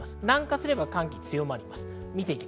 南下すれば寒気が強まります。